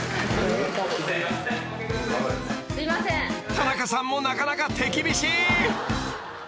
［田中さんもなかなか手厳しい］